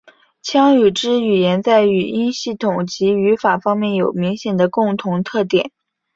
羌语支语言在语音系统及语法方面有明显的共同特点。